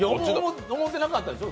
思ってなかったでしょ